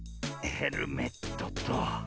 ヘルメットと。